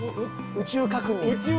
宇宙確認？